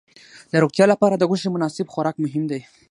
د روغتیا لپاره د غوښې مناسب خوراک مهم دی.